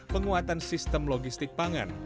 penguatan sistem logistik pangan